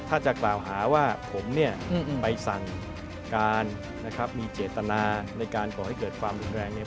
ถ้าจะกล่าวหาว่าผมเนี่ยไปสั่งการนะครับมีเจตนาในการก่อให้เกิดความรุนแรงเนี่ย